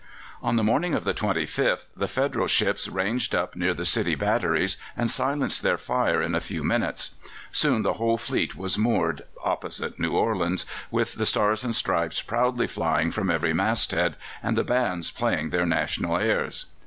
On the morning of the 25th the Federal ships ranged up near the city batteries and silenced their fire in a few minutes. Soon the whole fleet was moored opposite New Orleans, with the Stars and Stripes proudly flying from every masthead, and the bands playing their national airs.